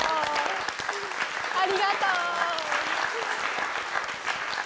ありがとう！